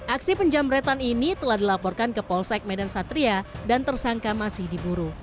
aksi penjamretan ini telah dilaporkan ke polsek medan satria dan tersangka masih diburu